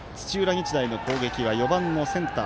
日大の攻撃は４番のセンター